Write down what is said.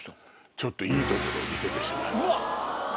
ちょっといいところを見せてしまいました。